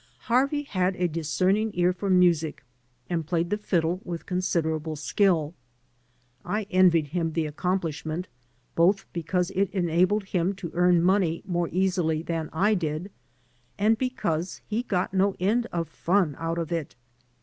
Harvey had a discerning ear for music and played the fiddle with considerable skill. I envied him the accomplishment both because it enabled him to earn money more easily than I did and because he got no end of fun out of it.